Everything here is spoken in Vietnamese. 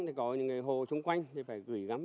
thì có những người hồ xung quanh thì phải gửi gắm